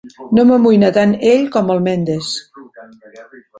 No m'amoïna tant ell com el Mendes.